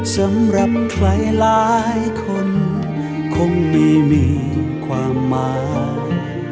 สำหรับใครหลายคนคงไม่มีความหมาย